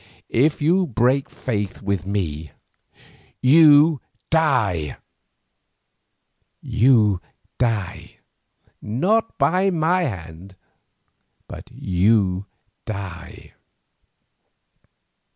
If you break faith with me, you die. You die, not by my hand, but you die.